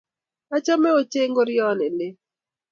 achame ochei ngorioni leel